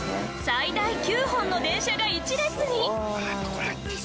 最大９本の電車が１列に！